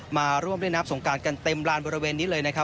มาร่วมเล่นน้ำสงการกันเต็มลานบริเวณนี้เลยนะครับ